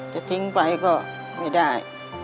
จะทิ้งไปก็ไม่ได้